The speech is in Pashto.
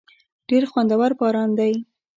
ډېر خوندور باران دی.